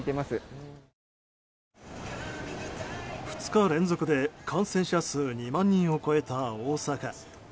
２日連続で感染者数２万人を超えた大阪。